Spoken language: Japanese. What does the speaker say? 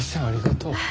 ありがとう。